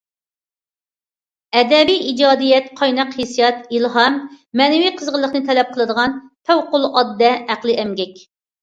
ئەدەبىي ئىجادىيەت قايناق ھېسسىيات، ئىلھام، مەنىۋى قىزغىنلىقنى تەلەپ قىلىدىغان پەۋقۇلئاددە ئەقلىي ئەمگەك.